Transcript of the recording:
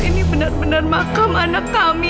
ini benar benar makam anak kami